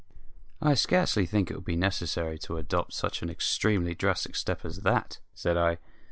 "I scarcely think it will be necessary to adopt any such extremely drastic step as that," said I.